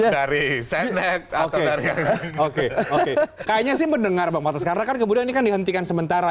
dari senek atau dari oke oke kayaknya sih mendengar banget sekarang kemudian kan dihentikan sementara